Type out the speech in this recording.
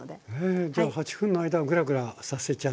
じゃあ８分の間グラグラさせちゃ駄目？